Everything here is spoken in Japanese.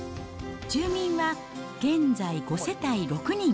住民は現在５世帯６人。